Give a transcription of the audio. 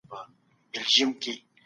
تاسو به د خپلو ماشومانو ښه روزنه کوئ.